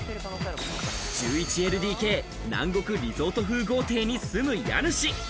１１ＬＤＫ、南国リゾート風豪邸に住む家主。